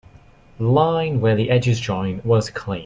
The line where the edges join was clean.